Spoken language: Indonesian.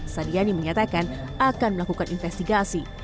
sadiani menyatakan akan melakukan investigasi